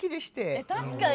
え確かに。